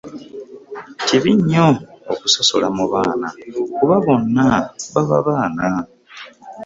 Kibi nnyo okusosola mu baana kuba bonna baba baana.